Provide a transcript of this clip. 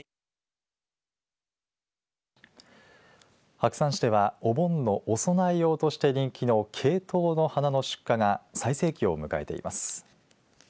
白山市ではお盆のお供え用として人気のケイトウの花の出荷が最盛期を迎えています。